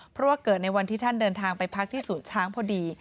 เพราะว่าเกิดในวันที่ท่านเดินทางไปพักที่สูตรช้างพอดี